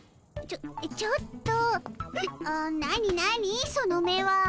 ちょっと何何その目は。